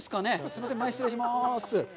すいません、前、失礼します。